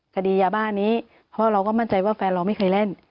คดียาบ้านี้เพราะเราก็มั่นใจว่าแฟนเราไม่เคยเล่น